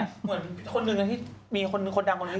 เหมือนคนหนึ่งที่มีคนหนึ่งคนดังคนหนึ่งที่